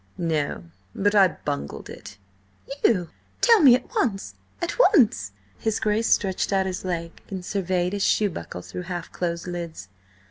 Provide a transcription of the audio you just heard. "No. But I bungled it." "You? Tell me at once!–at once!" His Grace stretched out his leg and surveyed his shoe buckle through half closed lids.